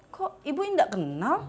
kok ibu gak kenal